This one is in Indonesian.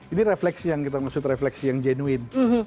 ini refleksi yang kita maksud refleksi yang jenuin